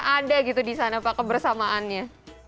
ada gitu di sana pak kebersamaannya